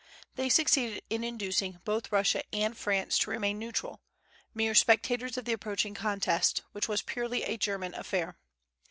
They succeeded in inducing both Russia and France to remain neutral, mere spectators of the approaching contest, which was purely a German affair.